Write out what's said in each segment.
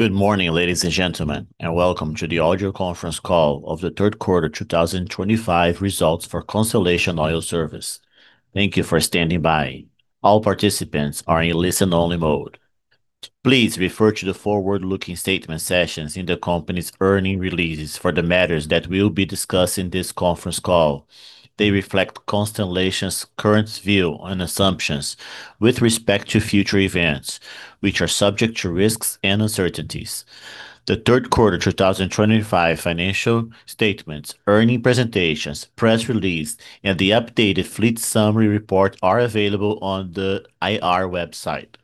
Good morning, ladies and gentlemen, and welcome to the audio conference call of the third quarter 2025 results for Constellation Oil Services. Thank you for standing by. All participants are in listen-only mode. Please refer to the forward-looking statement sessions in the company's earning releases for the matters that will be discussed in this conference call. They reflect Constellation's current view and assumptions with respect to future events, which are subject to risks and uncertainties. The third quarter 2025 financial statements, earning presentations, press releases, and the updated fleet summary report are available on the IR website.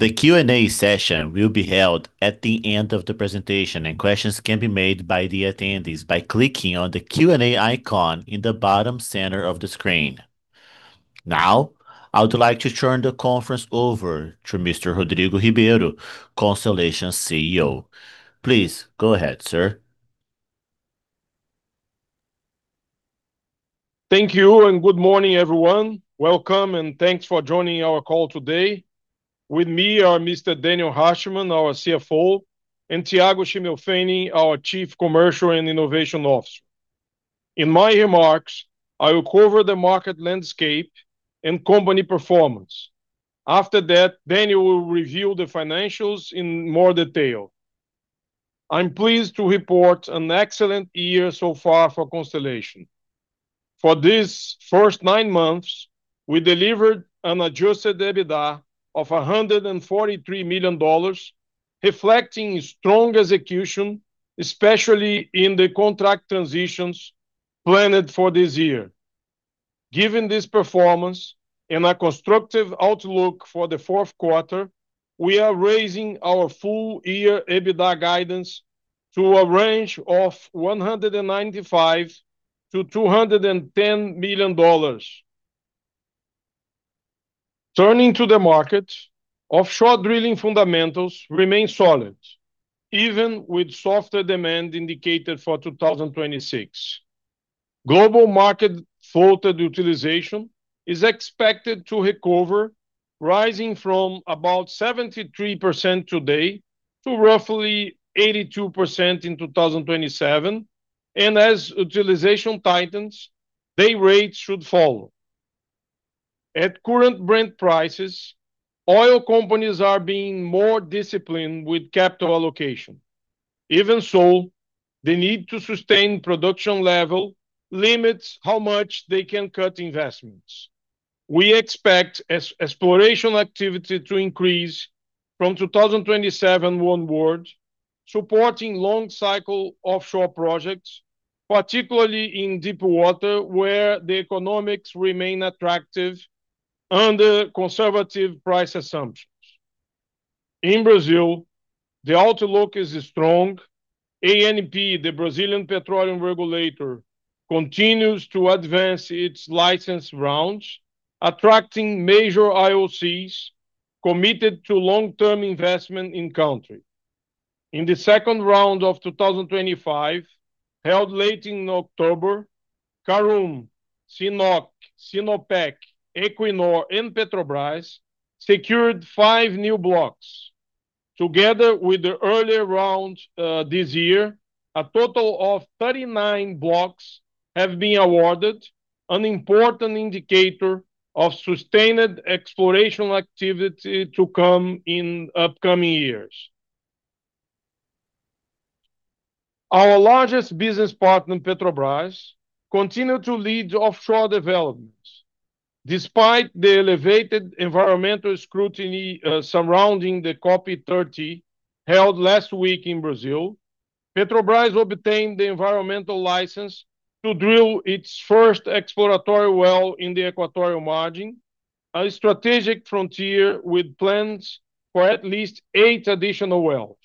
The Q&A session will be held at the end of the presentation, and questions can be made by the attendees by clicking on the Q&A icon in the bottom center of the screen. Now, I would like to turn the conference over to Mr. Rodrigo Ribeiro, Constellation's CEO. Please go ahead, sir. Thank you and good morning, everyone. Welcome and thanks for joining our call today. With me are Mr. Daniel Rachman, our CFO, and Thiago Schimmelpfennig, our Chief Commercial and Innovation Officer. In my remarks, I will cover the market landscape and company performance. After that, Daniel will reveal the financials in more detail. I'm pleased to report an excellent year so far for Constellation. For these first nine months, we delivered an adjusted EBITDA of $143 million, reflecting strong execution, especially in the contract transitions planned for this year. Given this performance and a constructive outlook for the fourth quarter, we are raising our full-year EBITDA guidance to a range of $195 million-$210 million. Turning to the market, offshore drilling fundamentals remain solid, even with softer demand indicated for 2026. Global market floated utilization is expected to recover, rising from about 73% today to roughly 82% in 2027, and as utilization tightens, day rates should follow. At current Brent prices, oil companies are being more disciplined with capital allocation. Even so, they need to sustain production level limits how much they can cut investments. We expect exploration activity to increase from 2027 onward, supporting long-cycle offshore projects, particularly in deep water where the economics remain attractive under conservative price assumptions. In Brazil, the outlook is strong. ANP, the Brazilian petroleum regulator, continues to advance its license rounds, attracting major IOCs committed to long-term investment in the country. In the second round of 2025, held late in October, Karoon, CNOOC, Sinopec, Equinor, and Petrobras secured five new blocks. Together with the earlier round this year, a total of 39 blocks have been awarded, an important indicator of sustained exploration activity to come in upcoming years. Our largest business partner, Petrobras, continues to lead offshore developments. Despite the elevated environmental scrutiny surrounding the COP30 held last week in Brazil, Petrobras obtained the environmental license to drill its first exploratory well in the Equatorial Margin, a strategic frontier with plans for at least eight additional wells.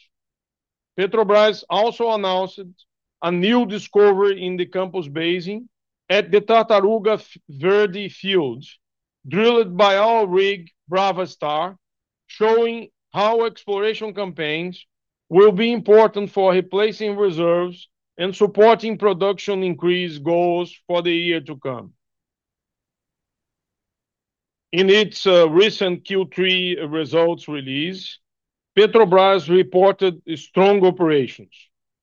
Petrobras also announced a new discovery in the Campos Basin at the Tartaruga Verde fields, drilled by our rig, Bravastar, showing how exploration campaigns will be important for replacing reserves and supporting production increase goals for the year to come. In its recent Q3 results release, Petrobras reported strong operations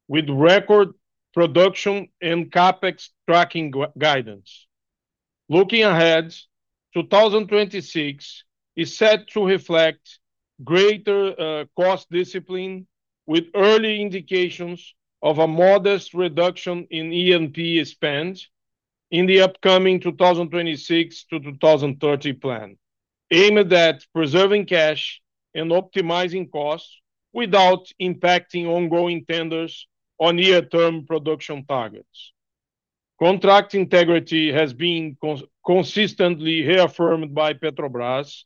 with record production and CAPEX tracking guidance. Looking ahead, 2026 is set to reflect greater cost discipline, with early indications of a modest reduction in E&P spend in the upcoming 2026 to 2030 plan, aimed at preserving cash and optimizing costs without impacting ongoing tenders on near-term production targets. Contract integrity has been consistently reaffirmed by Petrobras,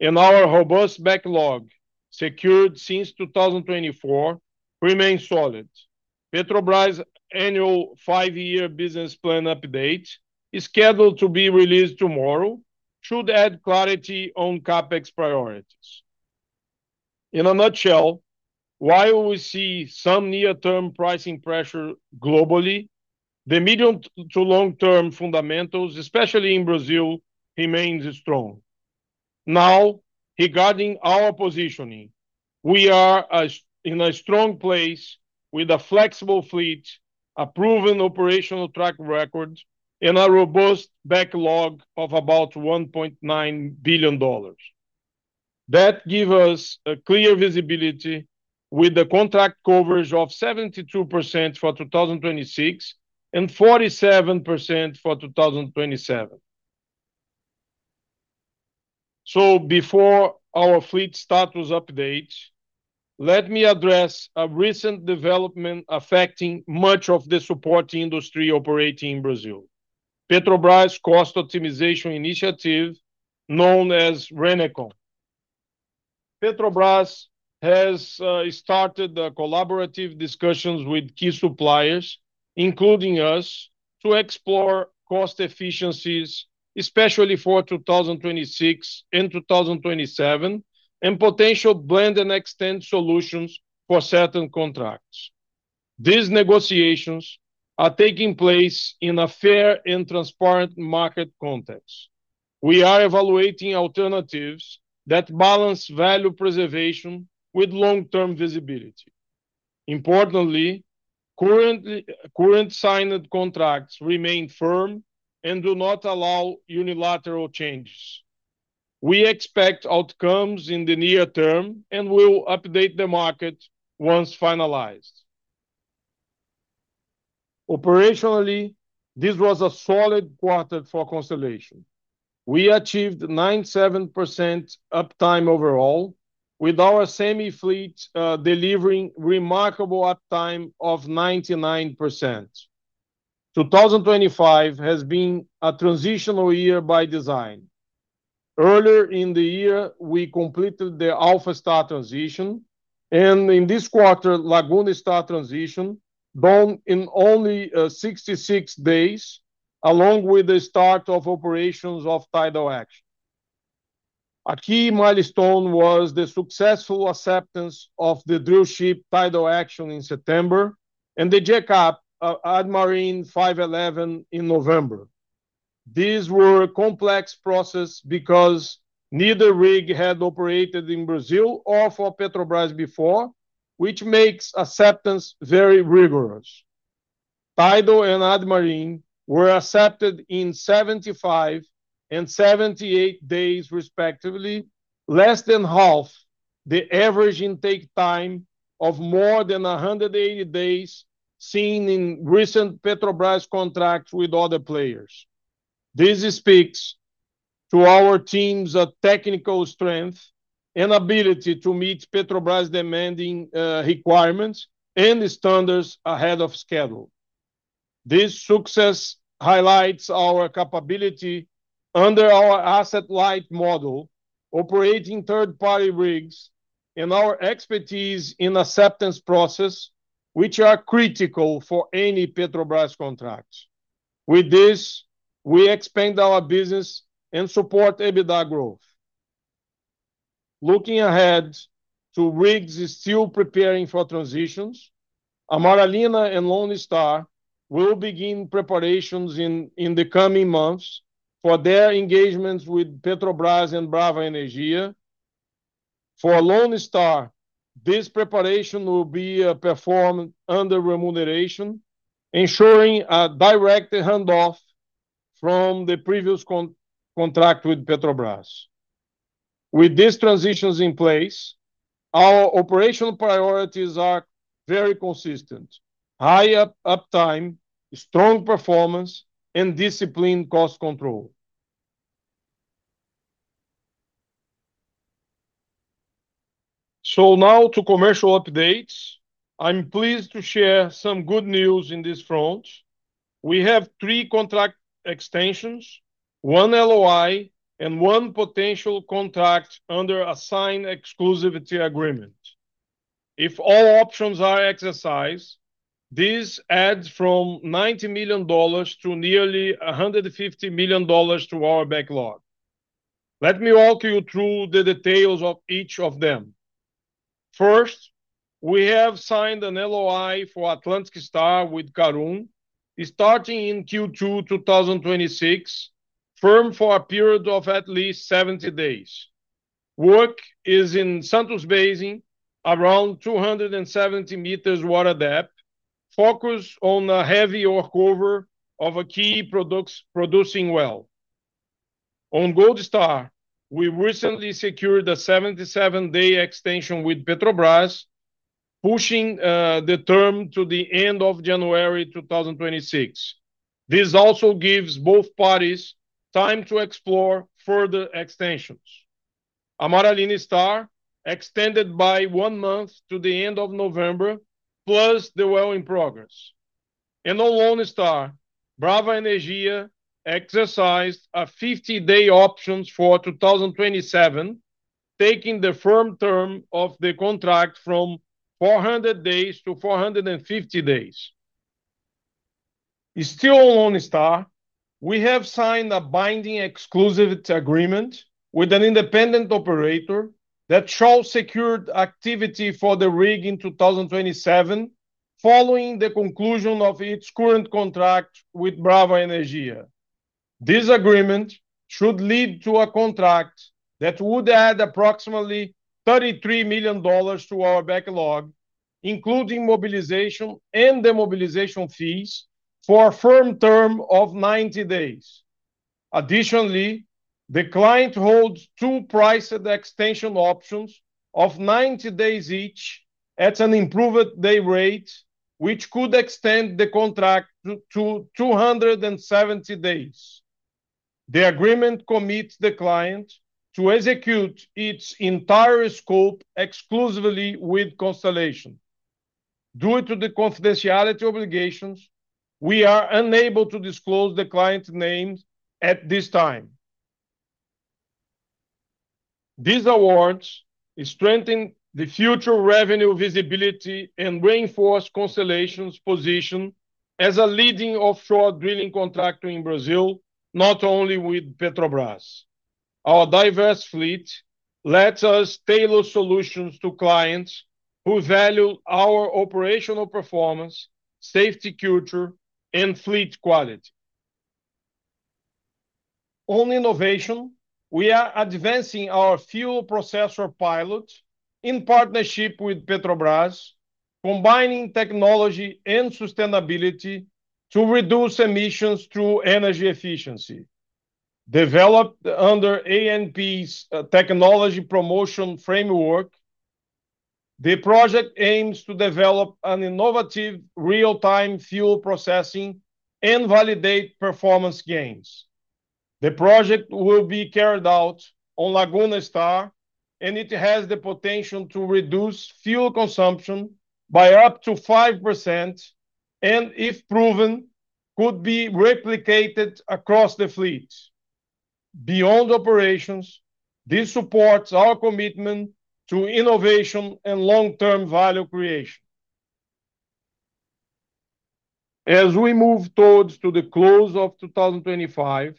and our robust backlog, secured since 2024, remains solid. Petrobras' annual five-year business plan update, scheduled to be released tomorrow, should add clarity on CAPEX priorities. In a nutshell, while we see some near-term pricing pressure globally, the medium to long-term fundamentals, especially in Brazil, remain strong. Now, regarding our positioning, we are in a strong place with a flexible fleet, a proven operational track record, and a robust backlog of about $1.9 billion. That gives us a clear visibility with the contract coverage of 72% for 2026 and 47% for 2027. Before our fleet status update, let me address a recent development affecting much of the support industry operating in Brazil: Petrobras' cost optimization initiative, known as Renacom. Petrobras has started collaborative discussions with key suppliers, including us, to explore cost efficiencies, especially for 2026 and 2027, and potential blend-and-extend solutions for certain contracts. These negotiations are taking place in a fair and transparent market context. We are evaluating alternatives that balance value preservation with long-term visibility. Importantly, current signed contracts remain firm and do not allow unilateral changes. We expect outcomes in the near term and will update the market once finalized. Operationally, this was a solid quarter for Constellation. We achieved 97% uptime overall, with our semi-fleet delivering remarkable uptime of 99%. 2025 has been a transitional year by design. Earlier in the year, we completed the Alpha Star transition, and in this quarter, Laguna Star transition, done in only 66 days, along with the start of operations of Tidal Action. A key milestone was the successful acceptance of the drillship Tidal Action in September and the jackup Admarine 511 in November. These were a complex process because neither rig had operated in Brazil or for Petrobras before, which makes acceptance very rigorous. Tidal and Admarine were accepted in 75 and 78 days, respectively, less than half the average intake time of more than 180 days seen in recent Petrobras contracts with other players. This speaks to our team's technical strength and ability to meet Petrobras' demanding requirements and standards ahead of schedule. This success highlights our capability under our asset light model, operating third-party rigs, and our expertise in acceptance process, which are critical for any Petrobras contract. With this, we expand our business and support EBITDA growth. Looking ahead to rigs still preparing for transitions, Amaralina and Lonestar will begin preparations in the coming months for their engagements with Petrobras and Bravo Energia. For Lonestar, this preparation will be performed under remuneration, ensuring a direct handoff from the previous contract with Petrobras. With these transitions in place, our operational priorities are very consistent: high uptime, strong performance, and disciplined cost control. Now to commercial updates. I'm pleased to share some good news in this front. We have three contract extensions, one LOI, and one potential contract under a signed exclusivity agreement. If all options are exercised, this adds from $90 million to nearly $150 million to our backlog. Let me walk you through the details of each of them. First, we have signed an LOI for Atlantic Star with Karoon, starting in Q2 2026, firm for a period of at least 70 days. Work is in Santos Basin, around 270 meters water depth, focused on a heavy workover of a key producing well. On Gold Star, we recently secured a 77-day extension with Petrobras, pushing the term to the end of January 2026. This also gives both parties time to explore further extensions. Amaralina Star extended by one month to the end of November, plus the well in progress. On Lonestar, Bravo Energia exercised a 50-day option for 2027, taking the firm term of the contract from 400 days to 450 days. Still on Lonestar, we have signed a binding exclusivity agreement with an independent operator that shall secure activity for the rig in 2027, following the conclusion of its current contract with Bravo Energia. This agreement should lead to a contract that would add approximately $33 million to our backlog, including mobilization and demobilization fees for a firm term of 90 days. Additionally, the client holds two price extension options of 90 days each at an improved day rate, which could extend the contract to 270 days. The agreement commits the client to execute its entire scope exclusively with Constellation. Due to the confidentiality obligations, we are unable to disclose the client's name at this time. These awards strengthen the future revenue visibility and reinforce Constellation's position as a leading offshore drilling contractor in Brazil, not only with Petrobras. Our diverse fleet lets us tailor solutions to clients who value our operational performance, safety culture, and fleet quality. On innovation, we are advancing our fuel processor pilot in partnership with Petrobras, combining technology and sustainability to reduce emissions through energy efficiency. Developed under ANP's technology promotion framework, the project aims to develop an innovative real-time fuel processing and validate performance gains. The project will be carried out on Laguna Star, and it has the potential to reduce fuel consumption by up to 5% and, if proven, could be replicated across the fleet. Beyond operations, this supports our commitment to innovation and long-term value creation. As we move towards the close of 2025,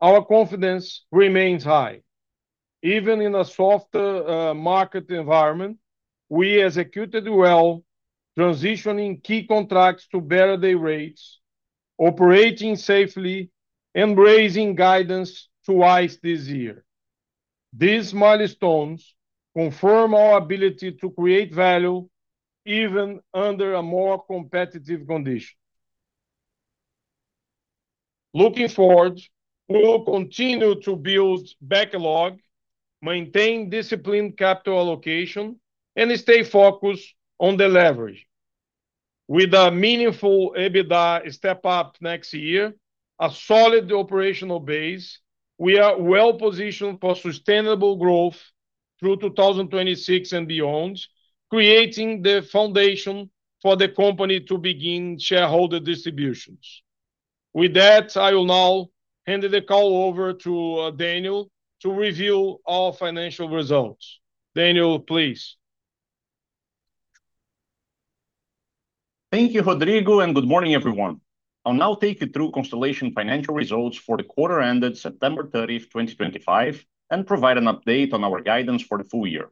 our confidence remains high. Even in a softer market environment, we executed well, transitioning key contracts to better day rates, operating safely, and raising guidance twice this year. These milestones confirm our ability to create value even under a more competitive condition. Looking forward, we will continue to build backlog, maintain disciplined capital allocation, and stay focused on the leverage. With a meaningful EBITDA step up next year, a solid operational base, we are well positioned for sustainable growth through 2026 and beyond, creating the foundation for the company to begin shareholder distributions. With that, I will now hand the call over to Daniel to reveal our financial results. Daniel, please. Thank you, Rodrigo, and good morning, everyone. I'll now take you through Constellation Oil Services financial results for the quarter ended September 30, 2025, and provide an update on our guidance for the full year.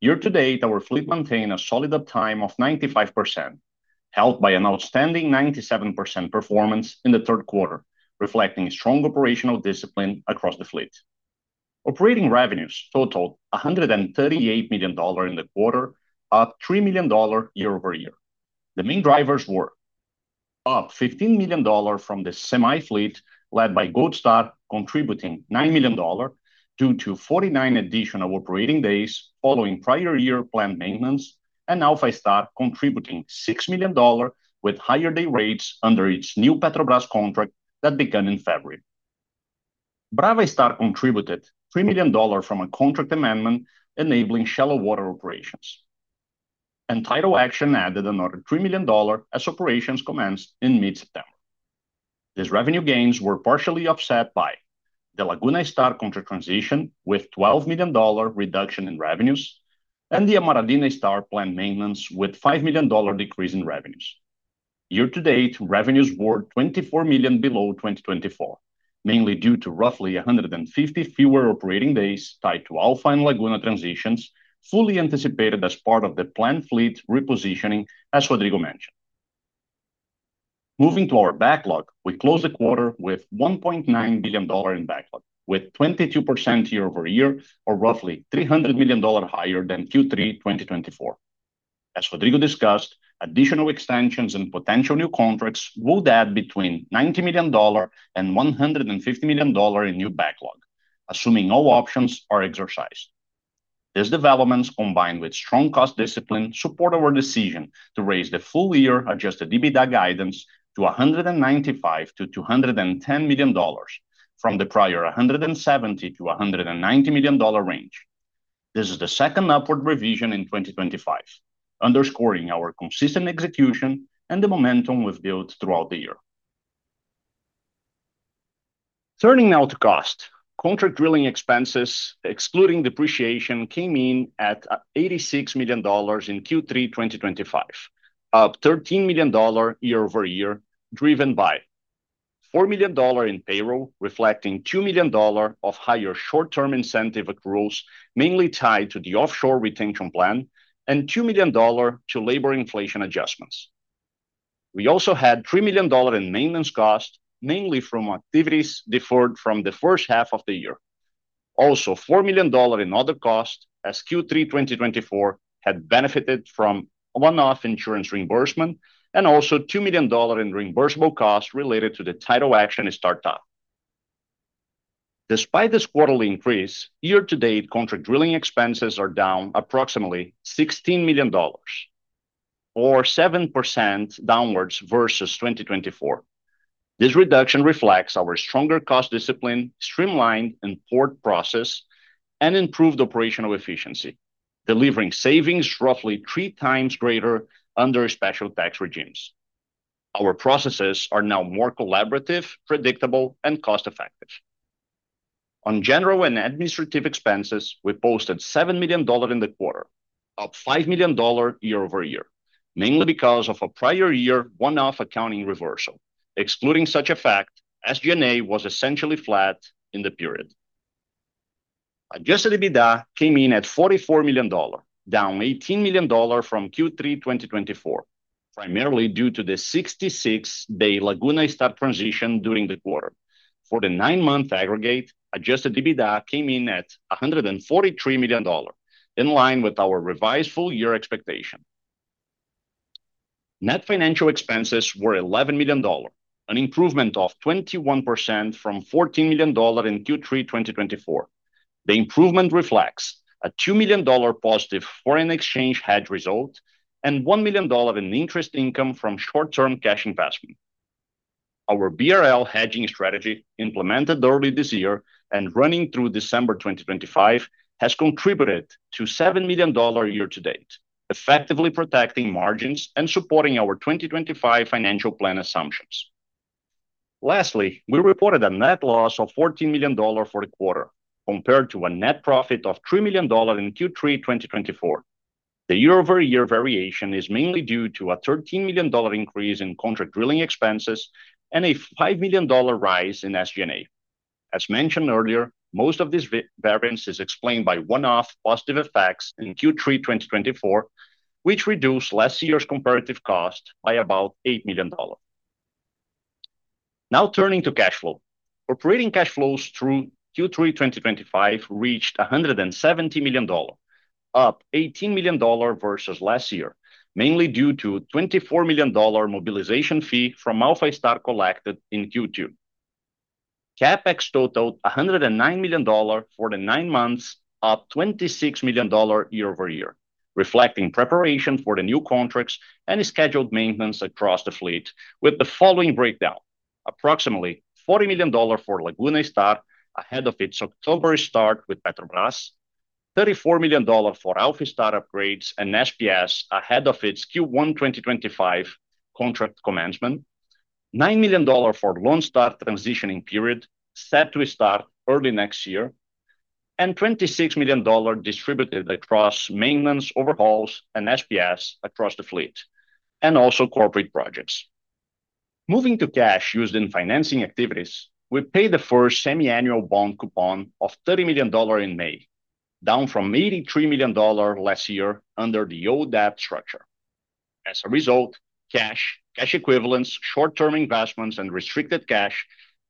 Year to date, our fleet maintained a solid uptime of 95%, helped by an outstanding 97% performance in the third quarter, reflecting strong operational discipline across the fleet. Operating revenues totaled $138 million in the quarter, up $3 million year over year. The main drivers were up $15 million from the semi-fleet, led by Gold Star, contributing $9 million due to 49 additional operating days following prior year planned maintenance, and Alpha Star, contributing $6 million with higher day rates under its new Petrobras contract that began in February. Bravo Star contributed $3 million from a contract amendment enabling shallow water operations, and Tidal Action added another $3 million as operations commenced in mid-September. These revenue gains were partially offset by the Laguna Star contract transition with a $12 million reduction in revenues and the Amaralina Star planned maintenance with a $5 million decrease in revenues. Year to date, revenues were $24 million below 2024, mainly due to roughly 150 fewer operating days tied to Alpha and Laguna transitions, fully anticipated as part of the planned fleet repositioning, as Rodrigo mentioned. Moving to our backlog, we closed the quarter with $1.9 billion in backlog, with 22% year over year, or roughly $300 million higher than Q3 2024. As Rodrigo discussed, additional extensions and potential new contracts would add between $90 million and $150 million in new backlog, assuming no options are exercised. These developments, combined with strong cost discipline, support our decision to raise the full-year adjusted EBITDA guidance to $195 million-$210 million from the prior $170 million-$190 million range. This is the second upward revision in 2025, underscoring our consistent execution and the momentum we've built throughout the year. Turning now to cost, contract drilling expenses, excluding depreciation, came in at $86 million in Q3 2025, up $13 million year over year, driven by $4 million in payroll, reflecting $2 million of higher short-term incentive accruals, mainly tied to the offshore retention plan, and $2 million to labor inflation adjustments. We also had $3 million in maintenance cost, mainly from activities deferred from the first half of the year. Also, $4 million in other costs as Q3 2024 had benefited from one-off insurance reimbursement, and also $2 million in reimbursable costs related to the Tidal Action startup. Despite this quarterly increase, year to date, contract drilling expenses are down approximately $16 million, or 7% downwards versus 2024. This reduction reflects our stronger cost discipline, streamlined and poured process, and improved operational efficiency, delivering savings roughly three times greater under special tax regimes. Our processes are now more collaborative, predictable, and cost-effective. On general and administrative expenses, we posted $7 million in the quarter, up $5 million year over year, mainly because of a prior year one-off accounting reversal. Excluding such a fact, SG&A was essentially flat in the period. Adjusted EBITDA came in at $44 million, down $18 million from Q3 2024, primarily due to the 66-day Laguna Star transition during the quarter. For the nine-month aggregate, adjusted EBITDA came in at $143 million, in line with our revised full-year expectation. Net financial expenses were $11 million, an improvement of 21% from $14 million in Q3 2024. The improvement reflects a $2 million positive foreign exchange hedge result and $1 million in interest income from short-term cash investment. Our BRL hedging strategy, implemented early this year and running through December 2025, has contributed to $7 million year to date, effectively protecting margins and supporting our 2025 financial plan assumptions. Lastly, we reported a net loss of $14 million for the quarter, compared to a net profit of $3 million in Q3 2024. The year-over-year variation is mainly due to a $13 million increase in contract drilling expenses and a $5 million rise in SG&A. As mentioned earlier, most of these variances are explained by one-off positive effects in Q3 2024, which reduced last year's comparative cost by about $8 million. Now turning to cash flow, operating cash flows through Q3 2025 reached $170 million, up $18 million versus last year, mainly due to a $24 million mobilization fee from Alpha Star collected in Q2. CAPEX totaled $109 million for the nine months, up $26 million year over year, reflecting preparation for the new contracts and scheduled maintenance across the fleet, with the following breakdown: approximately $40 million for Laguna Star, ahead of its October start with Petrobras; $34 million for Alpha Star upgrades and SPS, ahead of its Q1 2025 contract commencement; $9 million for Lonestar transitioning period, set to start early next year; and $26 million distributed across maintenance, overhauls, and SPS across the fleet, and also corporate projects. Moving to cash used in financing activities, we paid the first semiannual bond coupon of $30 million in May, down from $83 million last year under the old debt structure. As a result, cash, cash equivalents, short-term investments, and restricted cash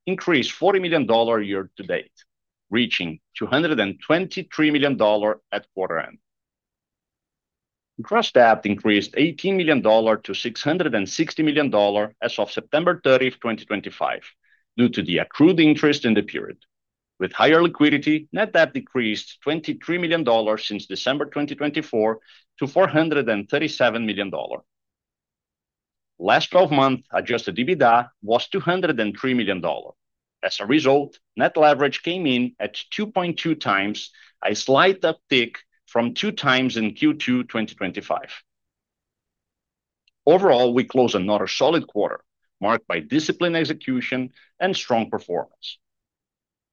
increased $40 million year to date, reaching $223 million at quarter end. Trust debt increased $18 million to $660 million as of September 30, 2025, due to the accrued interest in the period. With higher liquidity, net debt decreased $23 million since December 2024 to $437 million. Last 12 months' adjusted EBITDA was $203 million. As a result, net leverage came in at 2.2 times, a slight uptick from two times in Q2 2025. Overall, we closed another solid quarter, marked by disciplined execution and strong performance.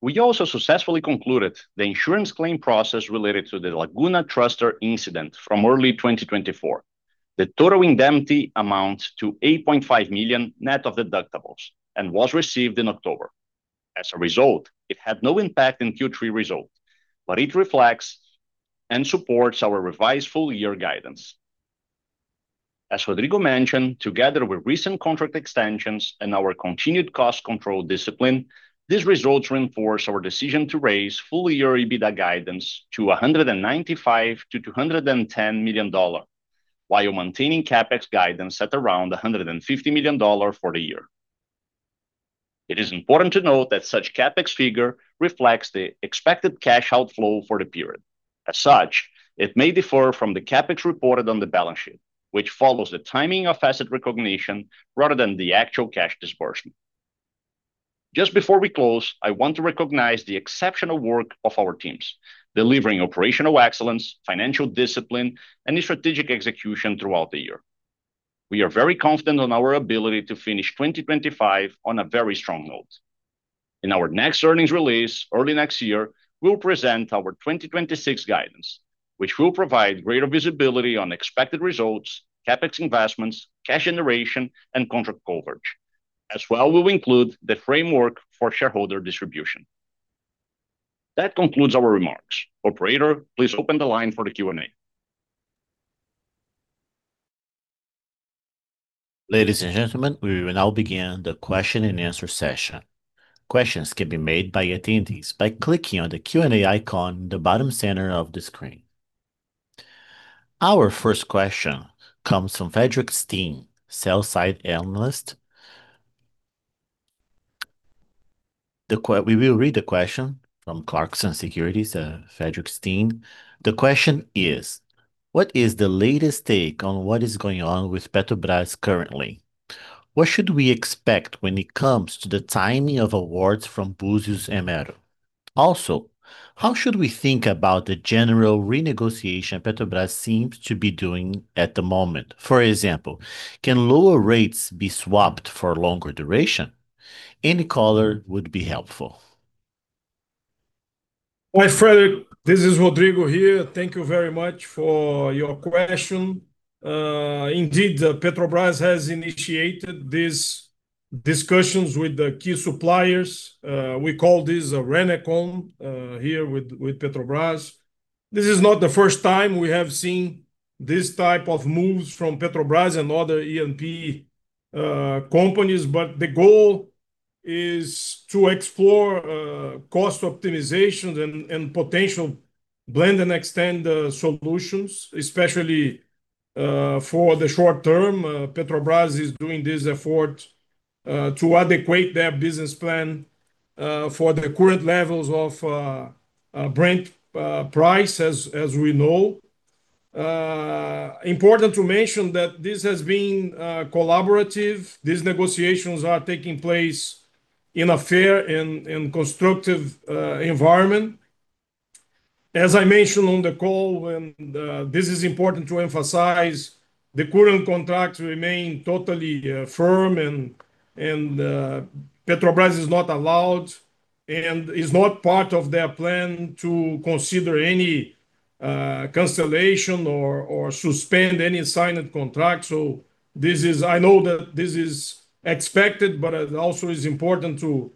We also successfully concluded the insurance claim process related to the Laguna Thruster incident from early 2024. The total indemnity amounts to $8.5 million net of deductibles and was received in October. As a result, it had no impact in Q3 result, but it reflects and supports our revised full-year guidance. As Rodrigo mentioned, together with recent contract extensions and our continued cost control discipline, these results reinforce our decision to raise full-year EBITDA guidance to $195 million-$210 million, while maintaining CAPEX guidance at around $150 million for the year. It is important to note that such CAPEX figure reflects the expected cash outflow for the period. As such, it may differ from the CAPEX reported on the balance sheet, which follows the timing of asset recognition rather than the actual cash disbursement. Just before we close, I want to recognize the exceptional work of our teams, delivering operational excellence, financial discipline, and strategic execution throughout the year. We are very confident in our ability to finish 2025 on a very strong note. In our next earnings release early next year, we will present our 2026 guidance, which will provide greater visibility on expected results, CAPEX investments, cash generation, and contract coverage. As well, we will include the framework for shareholder distribution. That concludes our remarks. Operator, please open the line for the Q&A. Ladies and gentlemen, we will now begin the question and answer session. Questions can be made by attendees by clicking on the Q&A icon in the bottom center of the screen. Our first question comes from Frederick Steen, SellSide Analyst. We will read the question from Clarkson Securities, Frederick Steen. The question is, what is the latest take on what is going on with Petrobras currently? What should we expect when it comes to the timing of awards from Búzios and Mero? Also, how should we think about the general renegotiation Petrobras seems to be doing at the moment? For example, can lower rates be swapped for longer duration? Any color would be helpful. Hi, Frederick, this is Rodrigo here. Thank you very much for your question. Indeed, Petrobras has initiated these discussions with the key suppliers. We call this a Renacom here with Petrobras. This is not the first time we have seen this type of moves from Petrobras and other E&P companies, but the goal is to explore cost optimizations and potential blend-and-extend solutions, especially for the short term. Petrobras is doing this effort to adequate their business plan for the current levels of Brent price, as we know. Important to mention that this has been collaborative. These negotiations are taking place in a fair and constructive environment. As I mentioned on the call, and this is important to emphasize, the current contracts remain totally firm, and Petrobras is not allowed and is not part of their plan to consider any cancellation or suspend any signed contract. This is, I know that this is expected, but it also is important to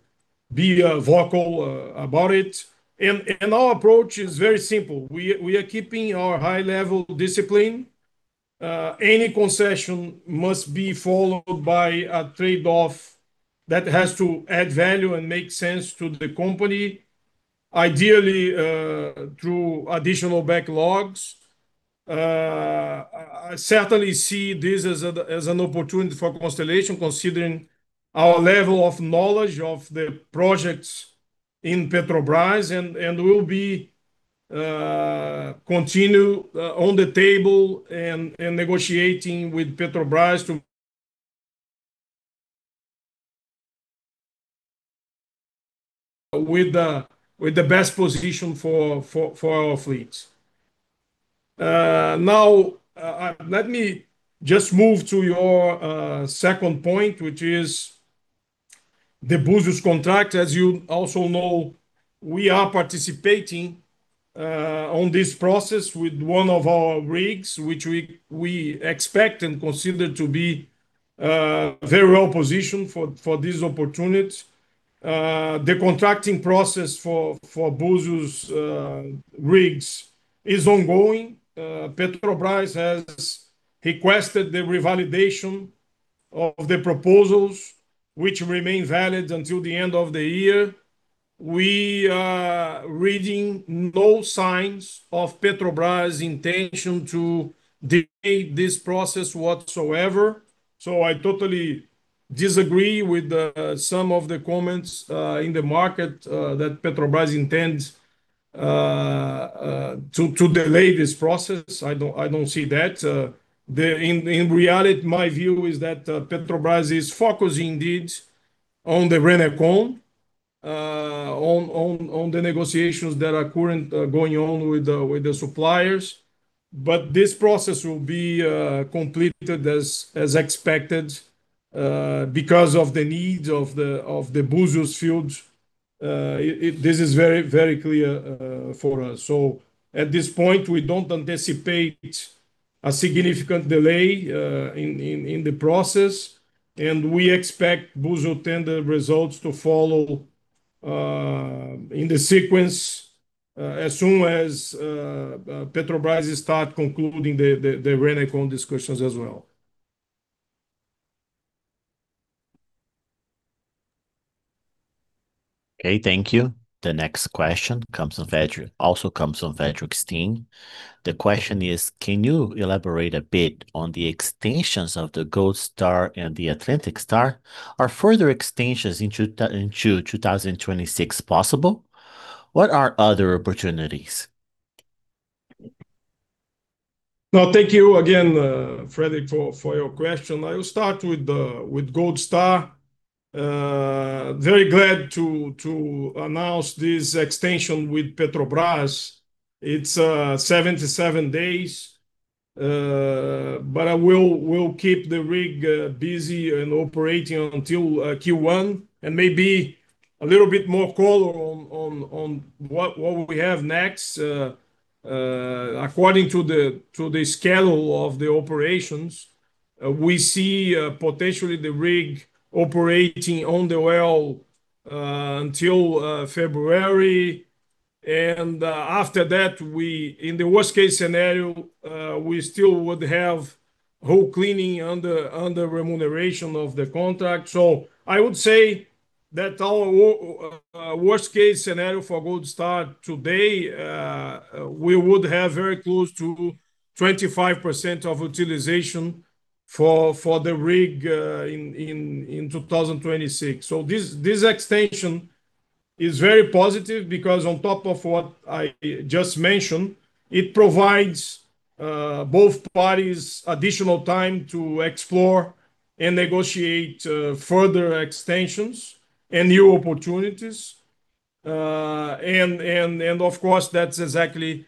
be vocal about it. Our approach is very simple. We are keeping our high-level discipline. Any concession must be followed by a trade-off that has to add value and make sense to the company, ideally through additional backlogs. I certainly see this as an opportunity for Constellation, considering our level of knowledge of the projects in Petrobras, and we'll be continuing on the table and negotiating with Petrobras with the best position for our fleets. Now, let me just move to your second point, which is the Búzios contract. As you also know, we are participating in this process with one of our rigs, which we expect and consider to be very well positioned for this opportunity. The contracting process for Búzios rigs is ongoing. Petrobras has requested the revalidation of the proposals, which remain valid until the end of the year. We are reading no signs of Petrobras' intention to delay this process whatsoever. I totally disagree with some of the comments in the market that Petrobras intends to delay this process. I do not see that. In reality, my view is that Petrobras is focused indeed on the Renacom, on the negotiations that are currently going on with the suppliers. This process will be completed as expected because of the needs of the Búzios field. This is very, very clear for us. At this point, we do not anticipate a significant delay in the process. We expect Búzios tender results to follow in the sequence as soon as Petrobras starts concluding the Renacom discussions as well. Okay, thank you. The next question also comes from Frederick Steen. The question is, can you elaborate a bit on the extensions of the Gold Star and the Atlantic Star? Are further extensions into 2026 possible? What are other opportunities? No, thank you again, Frederick, for your question. I'll start with Gold Star. Very glad to announce this extension with Petrobras. It's 77 days, but it will keep the rig busy and operating until Q1 and maybe a little bit more color on what we have next. According to the schedule of the operations, we see potentially the rig operating on the well until February. After that, in the worst-case scenario, we still would have hole cleaning under remuneration of the contract. I would say that our worst-case scenario for Gold Star today, we would have very close to 25% of utilization for the rig in 2026. This extension is very positive because on top of what I just mentioned, it provides both parties additional time to explore and negotiate further extensions and new opportunities. Of course, that's exactly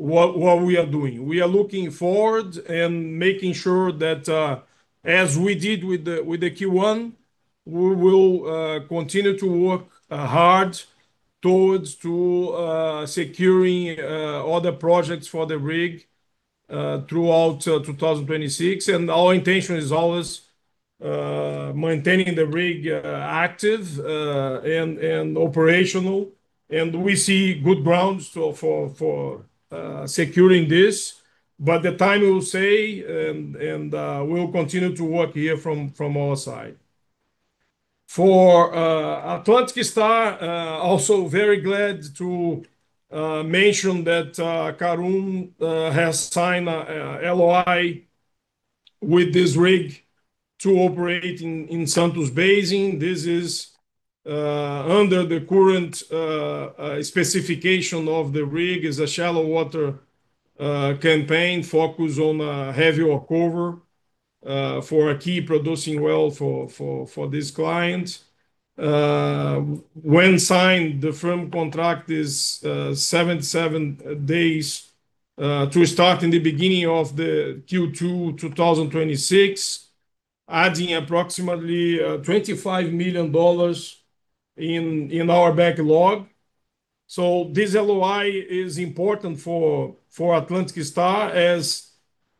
what we are doing. We are looking forward and making sure that as we did with the Q1, we will continue to work hard towards securing other projects for the rig throughout 2026. Our intention is always maintaining the rig active and operational. We see good ground for securing this. The time will say, and we'll continue to work here from our side. For Atlantic Star, also very glad to mention that Karoon has signed an LOI with this rig to operate in Santos Basin. This is under the current specification of the rig, is a shallow water campaign focused on heavy workover for a key producing well for this client. When signed, the firm contract is 77 days to start in the beginning of Q2 2026, adding approximately $25 million in our backlog. This LOI is important for Atlantic Star as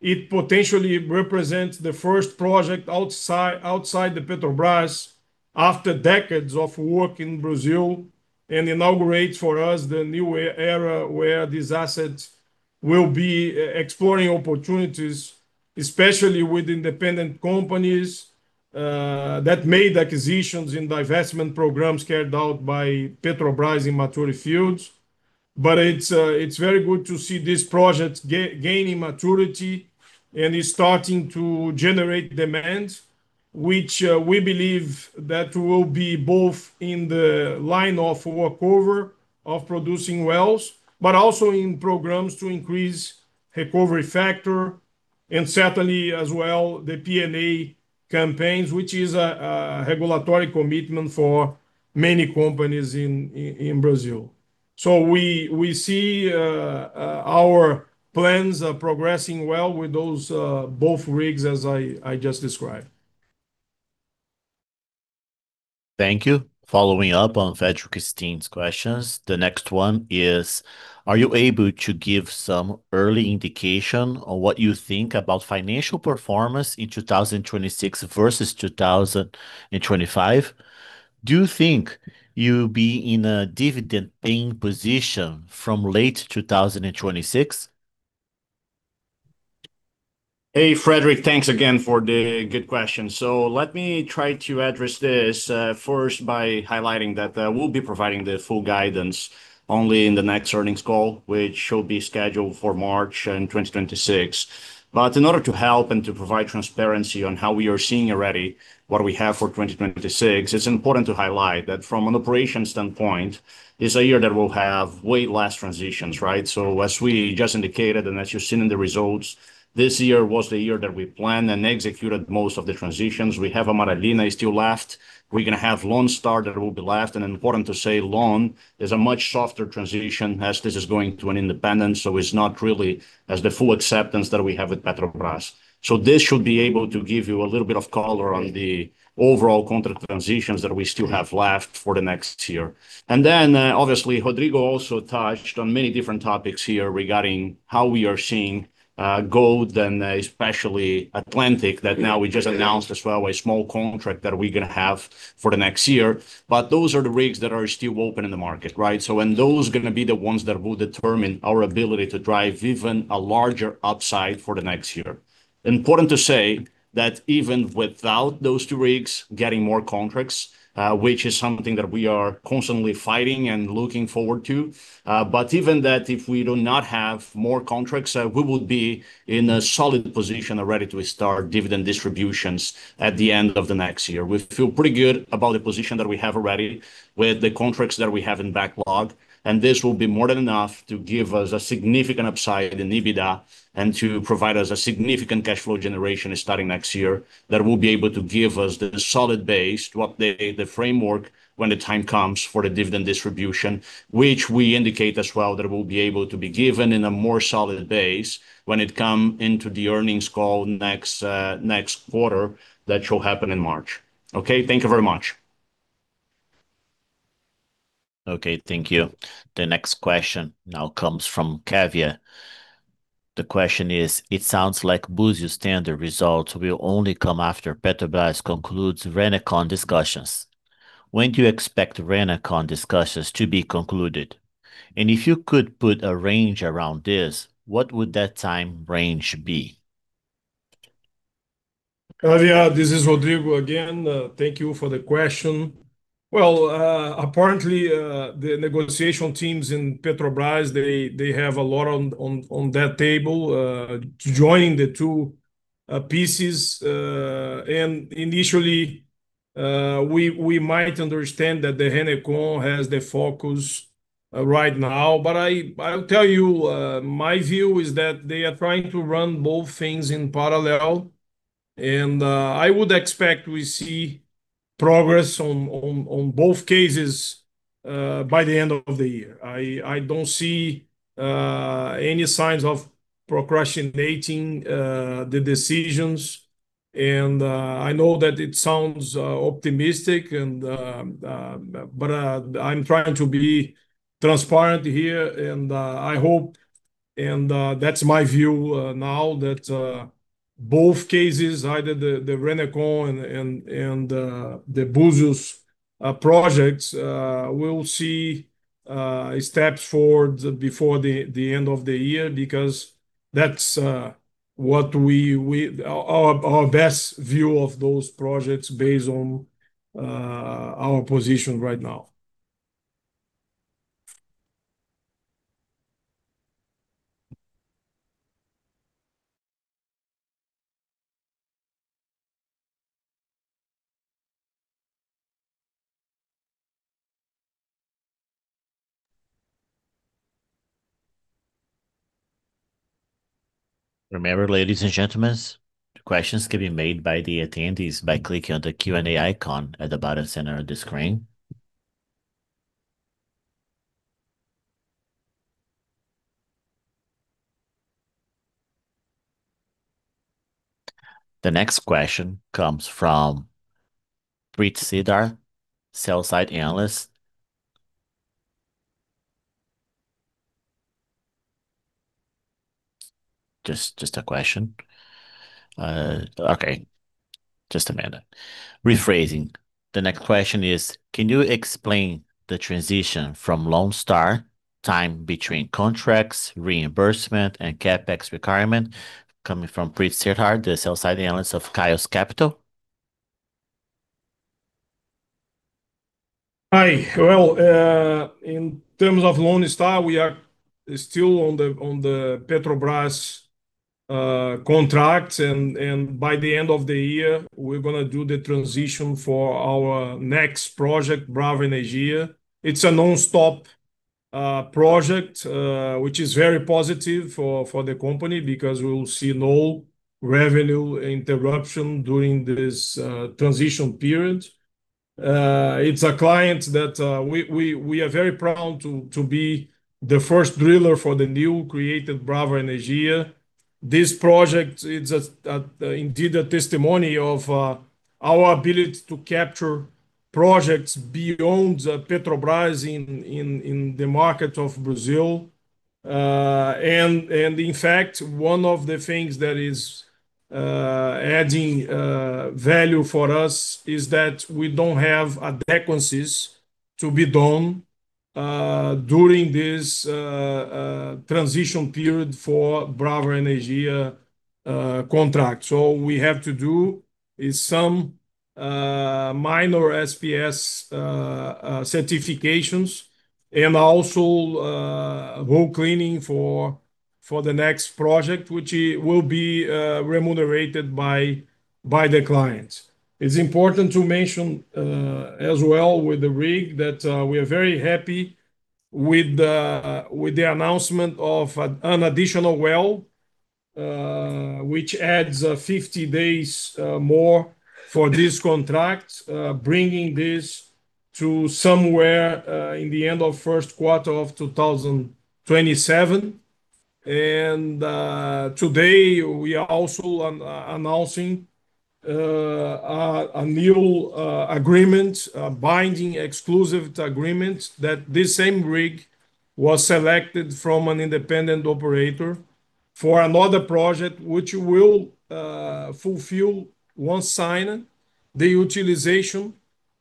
it potentially represents the first project outside Petrobras after decades of work in Brazil and inaugurates for us the new era where these assets will be exploring opportunities, especially with independent companies that made acquisitions in divestment programs carried out by Petrobras in mature fields. It is very good to see these projects gaining maturity and starting to generate demand, which we believe that will be both in the line of workover of producing wells, but also in programs to increase recovery factor. Certainly as well, the P&A campaigns, which is a regulatory commitment for many companies in Brazil. We see our plans are progressing well with those both rigs as I just described. Thank you. Following up on Frederick Steen's questions, the next one is, are you able to give some early indication on what you think about financial performance in 2026 versus 2025? Do you think you'll be in a dividend-paying position from late 2026? Hey, Frederick, thanks again for the good question. Let me try to address this first by highlighting that we'll be providing the full guidance only in the next earnings call, which will be scheduled for March and 2026. In order to help and to provide transparency on how we are seeing already what we have for 2026, it's important to highlight that from an operation standpoint, it's a year that will have way less transitions, right? As we just indicated and as you've seen in the results, this year was the year that we planned and executed most of the transitions. We have a Amaralina still left. We're going to have Lone Star that will be left. Important to say, Lone is a much softer transition as this is going to an independent. It's not really as the full acceptance that we have with Petrobras. This should be able to give you a little bit of color on the overall contract transitions that we still have left for the next year. Rodrigo also touched on many different topics here regarding how we are seeing Gold and especially Atlantic that now we just announced as well a small contract that we're going to have for the next year. Those are the rigs that are still open in the market, right? Those are going to be the ones that will determine our ability to drive even a larger upside for the next year. Important to say that even without those two rigs getting more contracts, which is something that we are constantly fighting and looking forward to, even if we do not have more contracts, we would be in a solid position already to start dividend distributions at the end of the next year. We feel pretty good about the position that we have already with the contracts that we have in backlog. This will be more than enough to give us a significant upside in EBITDA and to provide us a significant cash flow generation starting next year that will be able to give us the solid base to update the framework when the time comes for the dividend distribution, which we indicate as well that will be able to be given in a more solid base when it comes into the earnings call next quarter that will happen in March. Thank you very much. Thank you. The next question now comes from Kavia. The question is, it sounds like Búzios tender results will only come after Petrobras concludes Renacom discussions. When do you expect Renacom discussions to be concluded? And if you could put a range around this, what would that time range be? Kavia, this is Rodrigo again. Thank you for the question. Apparently, the negotiation teams in Petrobras, they have a lot on that table to join the two pieces. Initially, we might understand that the Renacom has the focus right now. I will tell you, my view is that they are trying to run both things in parallel. I would expect we see progress on both cases by the end of the year. I do not see any signs of procrastinating the decisions. I know that it sounds optimistic, but I am trying to be transparent here. I hope, and that is my view now, that both cases, either the Renacom and the Búzios projects, will see steps forward before the end of the year because that is what our best view of those projects is based on our position right now. Remember, ladies and gentlemen, the questions can be made by the attendees by clicking on the Q&A icon at the bottom center of the screen. The next question comes from Britt Olsen, sell-side analyst. Just a question. Okay, just a minute. Rephrasing. The next question is, can you explain the transition from Lone Star time between contracts, reimbursement, and CapEx requirement coming from Britt Olsen, the sell-side analyst of Kaios Capital? Hi. In terms of Lone Star, we are still on the Petrobras contracts. By the end of the year, we're going to do the transition for our next project, Bravo Energia. It's a non-stop project, which is very positive for the company because we will see no revenue interruption during this transition period. It's a client that we are very proud to be the first driller for the newly created Bravo Energia. This project is indeed a testimony of our ability to capture projects beyond Petrobras in the market of Brazil. In fact, one of the things that is adding value for us is that we do not have adequacies to be done during this transition period for Bravo Energia contract. What we have to do is some minor SPS certifications and also hull cleaning for the next project, which will be remunerated by the client. It is important to mention as well with the rig that we are very happy with the announcement of an additional well, which adds 50 days more for this contract, bringing this to somewhere in the end of first quarter of 2027. Today, we are also announcing a new agreement, a binding exclusive agreement that this same rig was selected from an independent operator for another project, which will fulfill once signed the utilization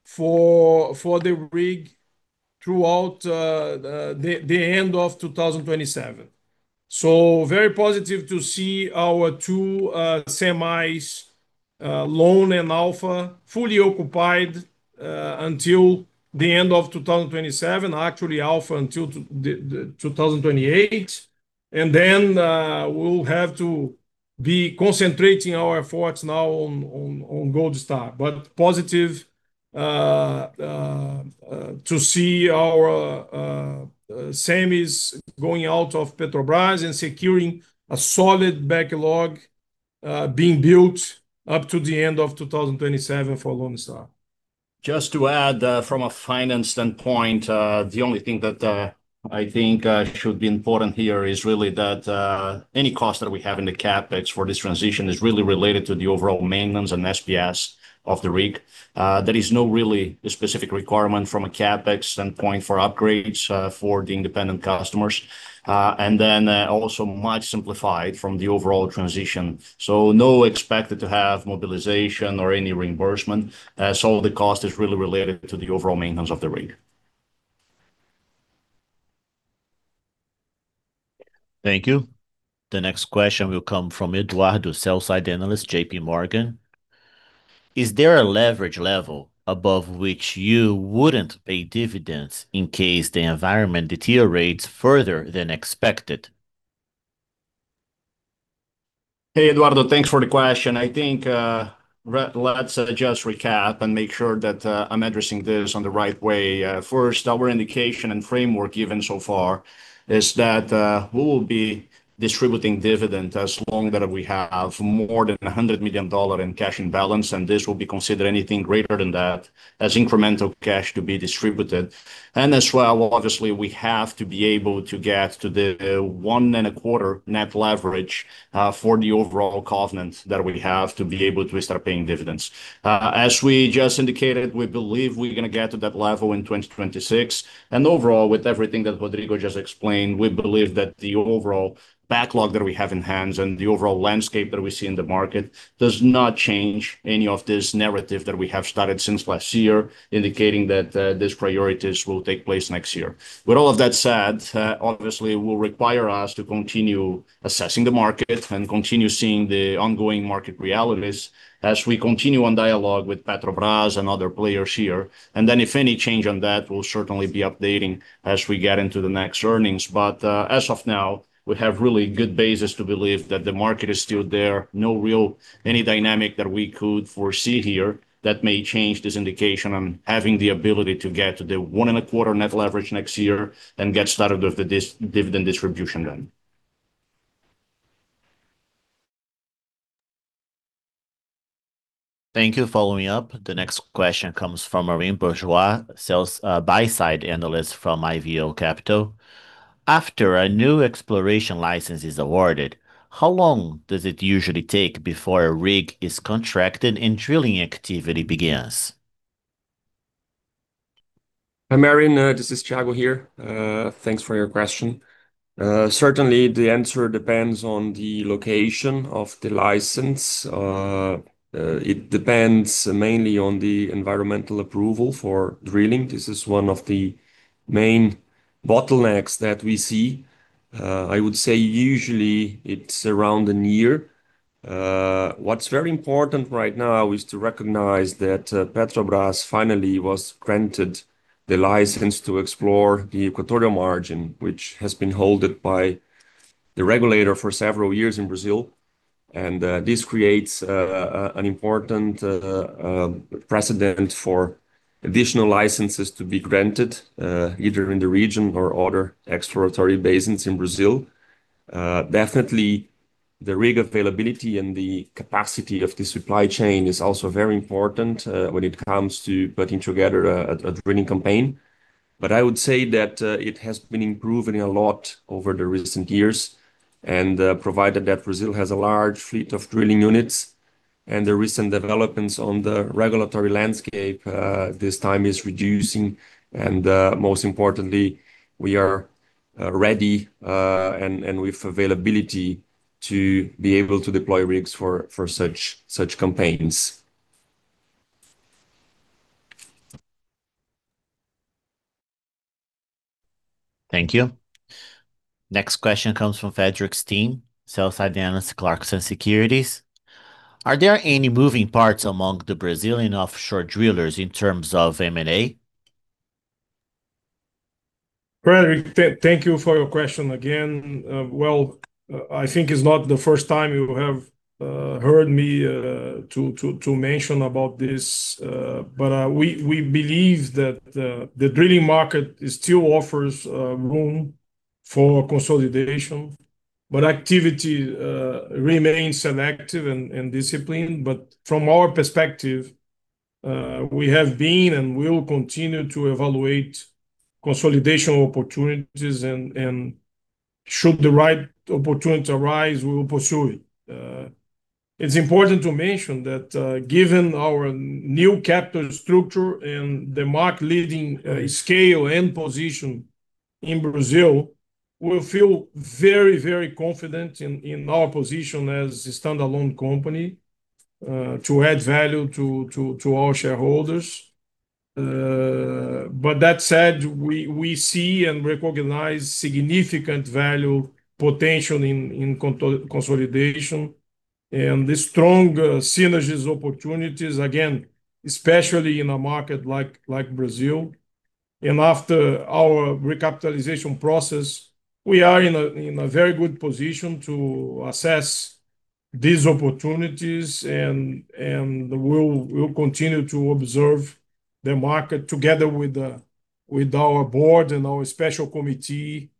for the rig throughout the end of 2027. Very positive to see our two semis, Lone and Alpha, fully occupied until the end of 2027, actually Alpha until 2028. We will have to be concentrating our efforts now on Gold Star. Positive to see our semis going out of Petrobras and securing a solid backlog being built up to the end of 2027 for Lone Star. Just to add from a finance standpoint, the only thing that I think should be important here is really that any cost that we have in the CapEx for this transition is really related to the overall maintenance and SPS of the rig. There is no really specific requirement from a CapEx standpoint for upgrades for the independent customers. Also, much simplified from the overall transition. No expected to have mobilization or any reimbursement. The cost is really related to the overall maintenance of the rig. Thank you. The next question will come from Eduardo, sell-side analyst, JP Morgan. Is there a leverage level above which you would not pay dividends in case the environment deteriorates further than expected? Hey, Eduardo, thanks for the question. I think let's just recap and make sure that I'm addressing this in the right way. First, our indication and framework even so far is that we will be distributing dividends as long as we have more than $100 million in cash in balance. This will be considered anything greater than that as incremental cash to be distributed. As well, obviously, we have to be able to get to the one and a quarter net leverage for the overall covenant that we have to be able to start paying dividends. As we just indicated, we believe we are going to get to that level in 2026. Overall, with everything that Rodrigo just explained, we believe that the overall backlog that we have in hand and the overall landscape that we see in the market does not change any of this narrative that we have started since last year, indicating that these priorities will take place next year. With all of that said, obviously, it will require us to continue assessing the market and continue seeing the ongoing market realities as we continue on dialogue with Petrobras and other players here. If any change on that, we'll certainly be updating as we get into the next earnings. As of now, we have really good basis to believe that the market is still there. No real any dynamic that we could foresee here that may change this indication on having the ability to get to the one and a quarter net leverage next year and get started with the dividend distribution then. Thank you for following up. The next question comes from Marine Bourgeois, sales buy-side analyst from IVO Capital. After a new exploration license is awarded, how long does it usually take before a rig is contracted and drilling activity begins? Hey, Marine, this is Thiago here. Thanks for your question. Certainly, the answer depends on the location of the license. It depends mainly on the environmental approval for drilling. This is one of the main bottlenecks that we see. I would say usually it's around a year. What's very important right now is to recognize that Petrobras finally was granted the license to explore the Equatorial Margin, which has been held by the regulator for several years in Brazil. This creates an important precedent for additional licenses to be granted either in the region or other exploratory basins in Brazil. Definitely, the rig availability and the capacity of the supply chain is also very important when it comes to putting together a drilling campaign. I would say that it has been improving a lot over the recent years and provided that Brazil has a large fleet of drilling units. The recent developments on the regulatory landscape this time are reducing. Most importantly, we are ready and with availability to be able to deploy rigs for such campaigns. Thank you. Next question comes from Frederick Steen, sell-side analyst, Clarkson Securities. Are there any moving parts among the Brazilian offshore drillers in terms of M&A? Frederick, thank you for your question again. I think it's not the first time you have heard me mention about this. We believe that the drilling market still offers room for consolidation, but activity remains selective and disciplined. From our perspective, we have been and will continue to evaluate consolidation opportunities. Should the right opportunity arise, we will pursue it. It's important to mention that given our new capital structure and the market-leading scale and position in Brazil, we feel very, very confident in our position as a standalone company to add value to our shareholders. That said, we see and recognize significant value potential in consolidation and the strong synergies opportunities, again, especially in a market like Brazil. After our recapitalization process, we are in a very good position to assess these opportunities. We will continue to observe the market together with our board and our special committee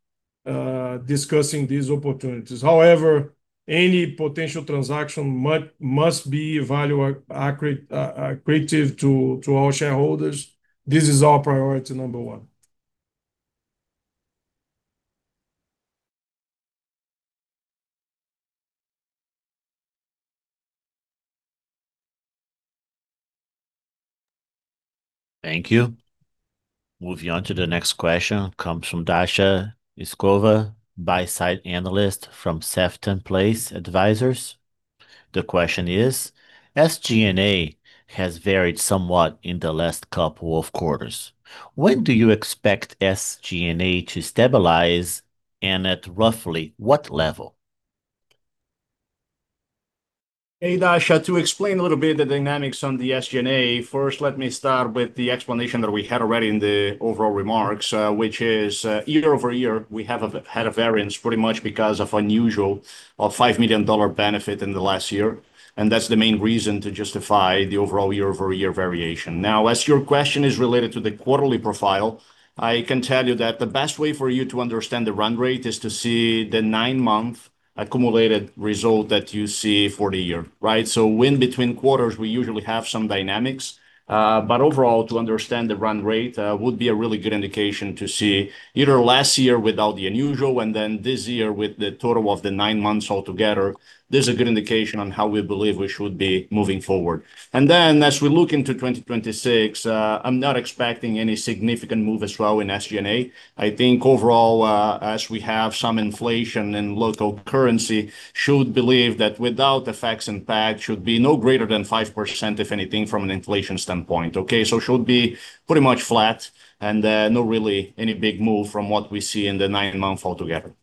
discussing these opportunities. However, any potential transaction must be value-accretive to our shareholders. This is our priority number one. Thank you. Moving on to the next question, it comes from Dasha Iskova, buy-side analyst from Sefton Place Advisors. The question is, SG&A has varied somewhat in the last couple of quarters. When do you expect SG&A to stabilize and at roughly what level? Hey, Dasha, to explain a little bit the dynamics on the SG&A, first, let me start with the explanation that we had already in the overall remarks, which is year over year, we have had a variance pretty much because of unusual $5 million benefit in the last year. That's the main reason to justify the overall year-over-year variation. As your question is related to the quarterly profile, I can tell you that the best way for you to understand the run rate is to see the nine-month accumulated result that you see for the year, right? Between quarters, we usually have some dynamics. Overall, to understand the run rate would be a really good indication to see either last year without the unusual and then this year with the total of the nine months altogether. This is a good indication on how we believe we should be moving forward. As we look into 2026, I'm not expecting any significant move as well in SG&A. I think overall, as we have some inflation and local currency, should believe that without the facts and facts should be no greater than 5%, if anything, from an inflation standpoint, okay? It should be pretty much flat and no really any big move from what we see in the nine-month altogether.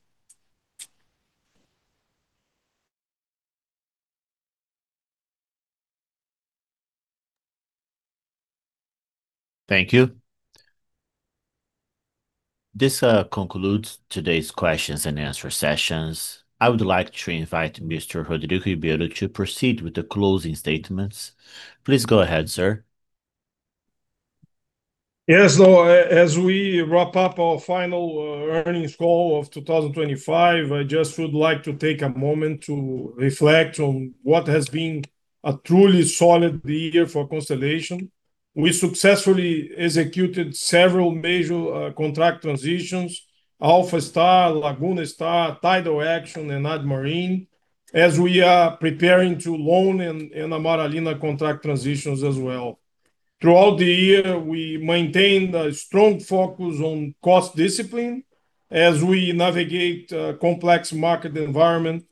Thank you. This concludes today's questions and answer sessions. I would like to invite Mr. Rodrigo Ribeiro to proceed with the closing statements. Please go ahead, sir. Yes. As we wrap up our final earnings call of 2025, I just would like to take a moment to reflect on what has been a truly solid year for Constellation. We successfully executed several major contract transitions: Alpha Star, Laguna Star, Tidal Action, and Admarine, as we are preparing to loan and Amaralina contract transitions as well. Throughout the year, we maintained a strong focus on cost discipline as we navigate a complex market environment,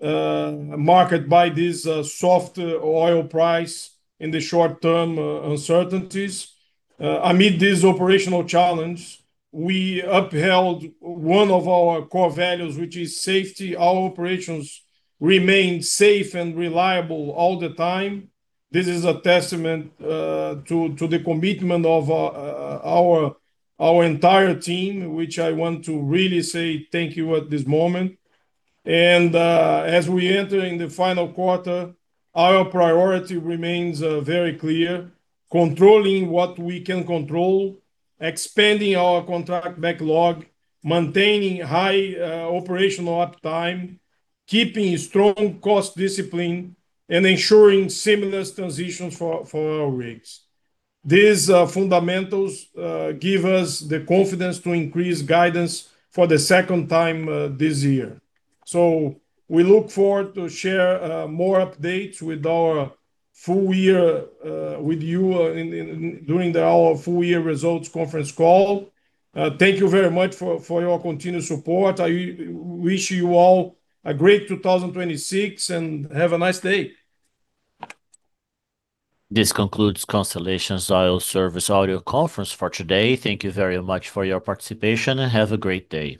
marked by this soft oil price in the short-term uncertainties. Amid these operational challenges, we upheld one of our core values, which is safety. Our operations remain safe and reliable all the time. This is a testament to the commitment of our entire team, which I want to really say thank you at this moment. As we enter in the final quarter, our priority remains very clear: controlling what we can control, expanding our contract backlog, maintaining high operational uptime, keeping strong cost discipline, and ensuring seamless transitions for our rigs. These fundamentals give us the confidence to increase guidance for the second time this year. We look forward to share more updates with our full year with you during our full year results conference call. Thank you very much for your continued support. I wish you all a great 2026 and have a nice day. This concludes Constellation Oil Services Audio Conference for today. Thank you very much for your participation and have a great day.